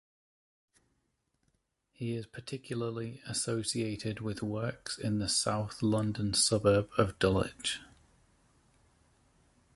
He is particularly associated with works in the south London suburb of Dulwich.